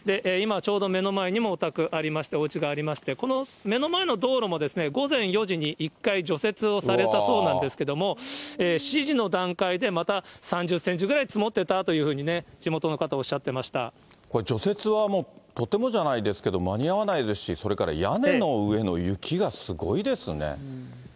今ちょうど目の前にもお宅ありまして、おうちがありまして、この目の前の道路もですね、午前４時に１回除雪をされたそうなんですけれども、７時の段階でまた３０センチぐらい積もってたというふうに地元のこれ、除雪はもうとてもじゃないですけれども、間に合わないですし、それから屋根の上の雪がすごいですね。